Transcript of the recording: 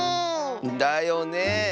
だよね。